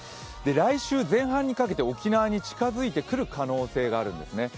来週前半にかけて沖縄に近づいてくる可能性があるんですね。